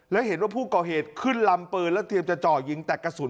แล้วเห็นว่าผู้ก่อเหตุขึ้นลำปืนแล้วเตรียมจะเจาะยิงแต่กระสุน